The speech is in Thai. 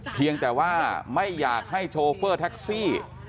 เพียงแต่ว่าไม่อยากให้โชเฟอร์แท็กซี่